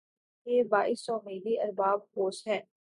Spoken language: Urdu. یہ باعث تومیدی ارباب ہوس ھے